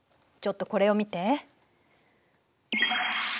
ちょっとこれを見て。